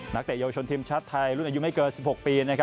เตะเยาวชนทีมชาติไทยรุ่นอายุไม่เกิน๑๖ปี